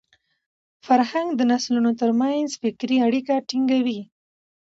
فرهنګ د نسلونو تر منځ فکري اړیکه ټینګوي.